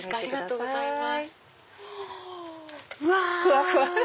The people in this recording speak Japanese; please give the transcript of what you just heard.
ありがとうございます。